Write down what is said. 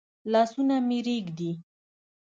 لاسونه مي رېږدي ؟